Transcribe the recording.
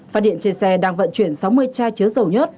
phát điện trên xe đang vận chuyển sáu mươi chai chứa dầu nhất